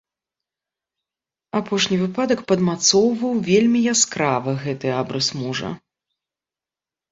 Апошні выпадак падмацоўваў вельмі яскрава гэты абрыс мужа.